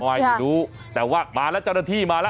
ไม่รู้แต่ว่ามาแล้วเจ้าหน้าที่มาแล้ว